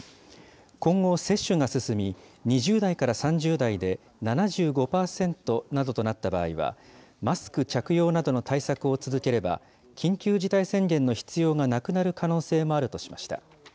今後、接種が進み、２０代から３０代で７５％などとなった場合は、マスク着用などの対策を続ければ、緊急事態宣言の必要がなくなる可能性もあるとしました。